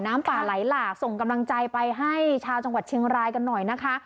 น้ำป่าไหลหลากส่งกำลังใจไปให้ชาวจังหวัดเชียงรายกันหน่อยนะคะ